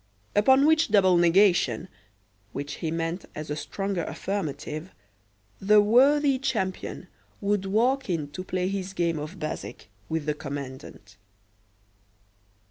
Upon which double negation, which he meant as a stronger affirmative, the worthy champion would walk in to play his game of bezique with the commandant.